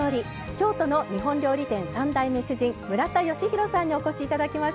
京都の日本料理店３代目主人村田吉弘さんにお越しいただきました。